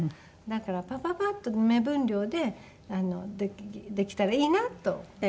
だからパパパッと目分量でできたらいいなと思って。